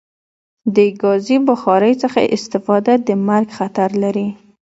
د کازی بخاری څخه استفاده د مرګ خطر لری